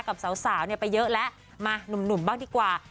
กับสาวเนี่ยไปเยอะแล้วมาหนุ่มบ้างดีกว่า